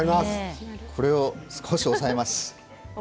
これを少し抑えます。